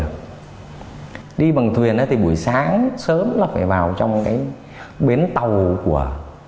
cái bến tàu của